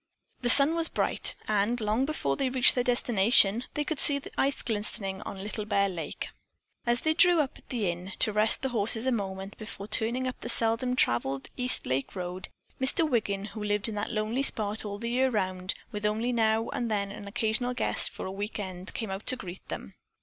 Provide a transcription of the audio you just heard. The sun was bright, and long before they reached their destination they could see the ice glistening on Little Bear Lake. As they drew up at the Inn, to rest the horses a moment before turning up the seldom traveled East Lake Road, Mr. Wiggin, who lived in that lonely spot all the year round with only now and then an occasional guest for a week end, came out to greet them.